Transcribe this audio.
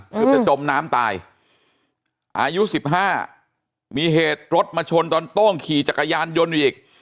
เกือบจะจมน้ำตายอายุ๑๕มีเหตุรถมาชนตอนโต้งขี่จักรยานยนต์อยู่อีก